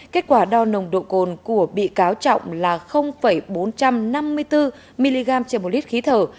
kết quả đo nồng độ cồn của bị cáo trọng là bốn trăm năm mươi bốn mg trên một lít khí thở